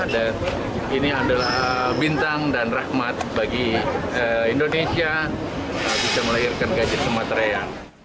dan ini adalah bintang dan rahmat bagi indonesia bisa melahirkan gajah sumatera ya